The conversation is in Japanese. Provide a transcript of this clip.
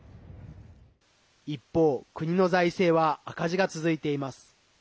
一方、国の財政は赤字が続いています。